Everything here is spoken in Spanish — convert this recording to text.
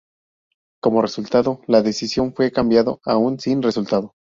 Como resultado, la decisión fue cambiado a un "Sin resultado".